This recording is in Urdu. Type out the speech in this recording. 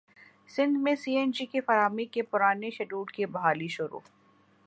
سندھ میں سی این جی کی فراہمی کے پرانے شیڈول کی بحالی شروع